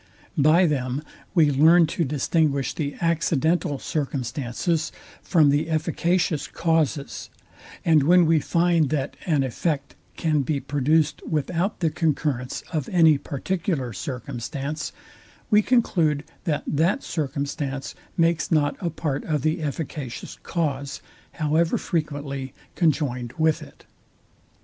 By them we learn to distinguish the accidental circumstances from the efficacious causes; and when we find that an effect can be produced without the concurrence of any particular circumstance, we conclude that that circumstance makes not a part of the efficacious cause, however frequently conjoined with it.